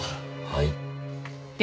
はい。